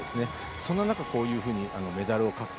そんな中でこういうふうにメダルを獲得。